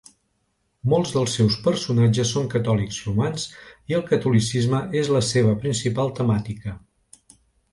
Molts dels seus personatges són catòlics romans i el catolicisme és la seva principal temàtica.